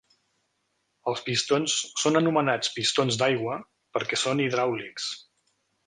Els pistons són anomenats pistons d'aigua, perquè són hidràulics.